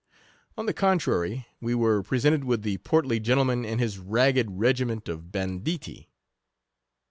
On the con trary, we were presented with the portly gentleman and his ragged regiment of ban ditti.